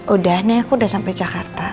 udah nih aku udah sampai jakarta